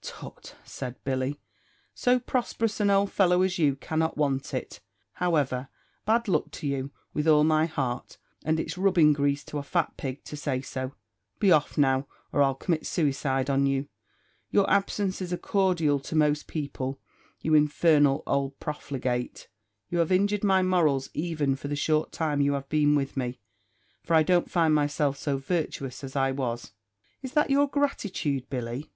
"Tut," said Billy, "so prosperous an old fellow as you cannot want it; however, bad luck to you, with all my heart! and it's rubbing grease to a fat pig to say so. Be off now, or I'll commit suicide on you. Your absence is a cordial to most people, you infernal old profligate. You have injured my morals even for the short time you have been with me; for I don't find myself so virtuous as I was." "Is that your gratitude, Billy?"